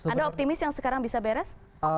anda optimis yang sekarang bisa beres